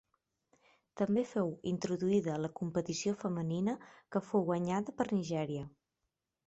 També fou introduïda la competició femenina, que fou guanyada per Nigèria.